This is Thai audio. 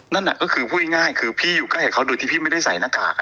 นั่นก็คือพูดง่ายคือพี่อยู่ใกล้กับเขาโดยที่พี่ไม่ได้ใส่หน้ากาก